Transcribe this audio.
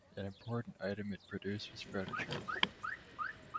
An important item it produced was furniture.